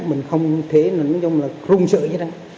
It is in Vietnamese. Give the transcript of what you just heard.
mình không thể nói chung là rung sợ như thế nào